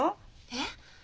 えっ？